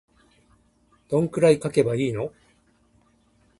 どんくらい書けばいいの